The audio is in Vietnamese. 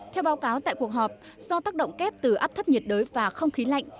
theo báo cáo tại cuộc họp do tác động kép từ áp thấp nhiệt đới và không khí lạnh